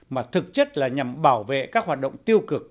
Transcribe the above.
mà thực chất là nhằm bảo vệ các hoạt động tiêu cực